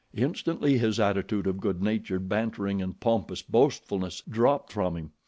Instantly his attitude of good natured bantering and pompous boastfulness dropped from him.